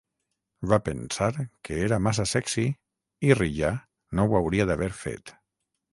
Va pensar que era massa sexy i Riya no ho hauria d'haver fet.